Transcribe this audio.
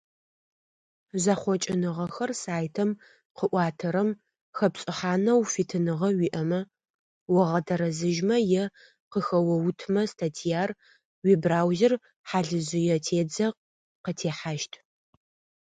Зэхъокӏыныгъэхэр сайтым къыӏуатэрэм хэпшӏыхьанэу фитыныгъэ уиӏэмэ, огъэтэрэзыжьмэ е къыхэоутымэ статьяр, уибраузер хьалыжъые тедзэ къытехьащт.